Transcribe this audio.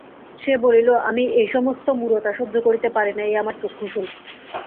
সে বলিল, আমি এ-সমস্ত মূঢ়তা সহ্য করিতে পারি না এ আমার চক্ষুশূল।